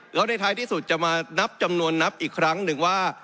แล้วในท้ายที่สุดจะมานับจำนวนนับอีกครั้งหนึ่งว่า